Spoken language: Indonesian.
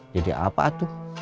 jadi apa tuh